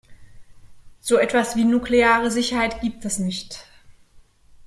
So etwas wie nukleare Sicherheit gibt es nicht.